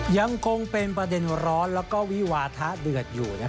ยังคงเป็นประเด็นร้อนและวิวาทะเดือดอยู่